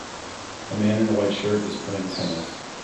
A man in a white shirt is playing tennis.